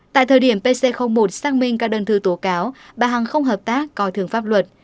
tại thời điểm pc một xác minh các đơn thư tố cáo bà hằng không hợp tác coi thường pháp luật